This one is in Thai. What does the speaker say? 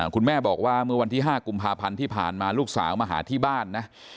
คุณแม่บอกว่าเมื่อวันที่๕กุมภาพันธ์ที่ผ่านมาลูกสาวมาหาที่บ้านนะ